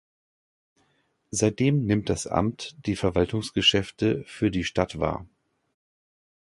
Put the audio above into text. Seitdem nimmt das Amt die Verwaltungsgeschäfte für die Stadt wahr.